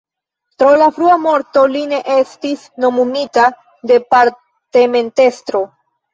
Pro la frua morto li ne estis nomumita departementestro.